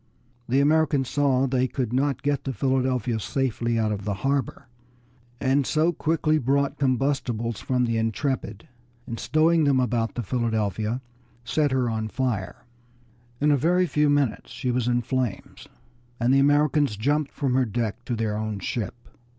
The Americans saw that they could not get the Philadelphia safely out of the harbor, and so quickly brought combustibles from the Intrepid, and stowing them about the Philadelphia, set her on fire. In a very few minutes she was in flames, and the Americans jumped from her deck to their own ship.